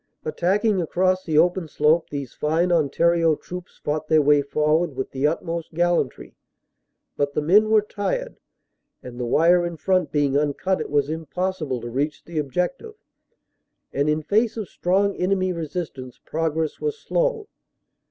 Attacking across the open slope, these fine Ontario troops fought their way forward with the utmost gallantry, but the men were tired, and the wire in front being uncut it was impossible to reach the objective, and in face of strong enemy resistance progress was slow.